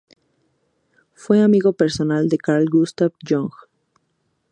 Fue amigo personal de Carl Gustav Jung.